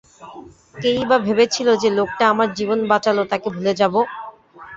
কে-ই বা ভেবেছিলো যে লোকটা আমার জীবন বাঁচালো তাকে ভুলে যাবো!